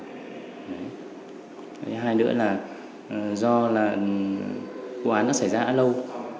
hai nữa là do là vụ án đã xảy ra đã lâu